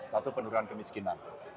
satu penurunan kemiskinan